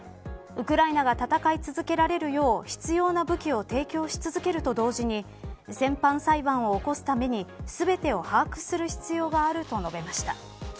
ウクライナが戦い続けられるよう必要な武器を提供し続けると同時に戦犯裁判を起こすために全てを把握する必要があると述べました。